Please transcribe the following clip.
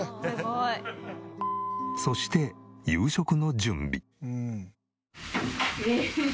そして夕食の準備。